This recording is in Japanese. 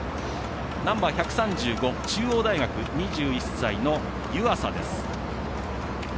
ナンバー１３５、中央大学２１歳の湯浅です。